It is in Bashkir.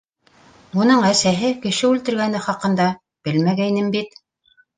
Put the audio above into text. Уның әсәһе кеше үлтергәне хаҡында белмәгәйнем бит.